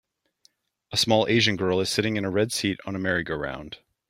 A small Asian girl is sitting in a red seat on a merrygoround.